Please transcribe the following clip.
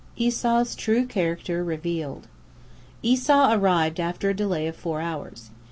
ESAU'S TRUE CHARACTER REVEALED Esau arrived after a delay of four hours.